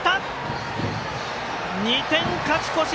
２点勝ち越し！